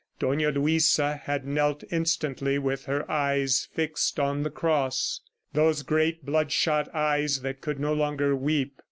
Dona Luisa had knelt instantly, with her eyes fixed on the cross those great, bloodshot eyes that could no longer weep.